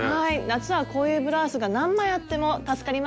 夏はこういうブラウスが何枚あっても助かりますね。